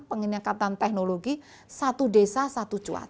pengingkatan teknologi satu desa satu cuaca